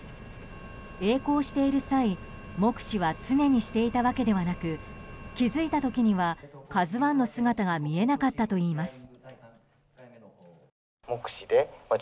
えい航している際目視は常にしていたわけではなく気付いた時には「ＫＡＺＵ１」の姿が見えなかったといいます。